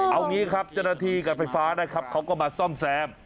เอางี้ครับเจ้าหน้าที่การไฟฟ้านะครับเขาก็มาซ่อมแซม